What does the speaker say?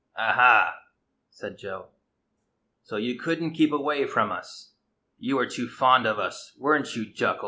"Alia," said Joe, "so you could n't keep away from us? You were too fond of us, weren't you, Jucal?